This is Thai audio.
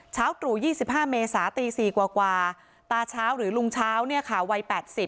เช้าตรู่๒๕เมษาตี๔กว่าตาชาวหรือลุงชาวเนี่ยค่ะวัย๘๐